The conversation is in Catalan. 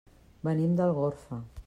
Venim d'Algorfa.